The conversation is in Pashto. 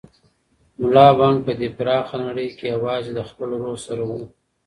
ملا بانګ په دې پراخه نړۍ کې یوازې له خپل روح سره و.